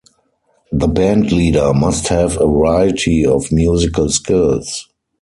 The bandleader must have a variety of musical skills.